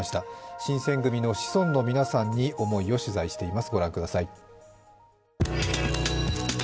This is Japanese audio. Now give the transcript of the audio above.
新選組の子孫の皆さんに思いを取材しています。